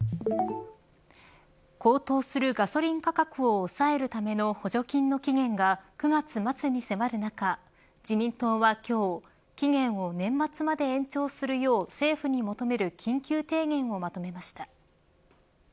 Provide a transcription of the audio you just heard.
高騰するガソリン価格を抑えるための補助金の期限が９月末に迫る中自民党は今日期限を年末まで延長するよう政府に求める緊急提言をまとめました。